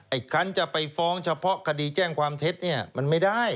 อีกครั้งจะไปฟ้องเฉพาะคดีแจ้งความเท็จเนี่ยมันไม่ได้